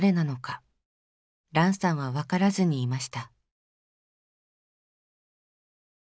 ランさんは分からずにいました。